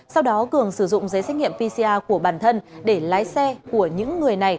sau đó cường sử dụng giấy xét nghiệm pcr của bản thân để lái xe của những người này